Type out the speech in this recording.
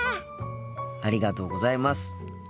ありがとうございます。